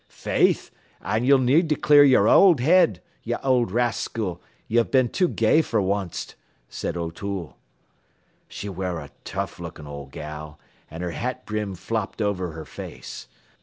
"'Faith, an' ye'll need to clear yer old head, ye owld raskil, ye've been too gay fer onct,' says O'Toole. "She ware a tough lookin' old gal, an' her hat brim flopped over her face.